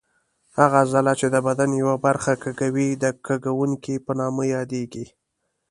هغه عضله چې د بدن یوه برخه کږوي د کږوونکې په نامه یادېږي.